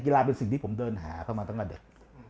เป็นสิ่งที่ผมเดินหาเขามาตั้งแต่เด็ก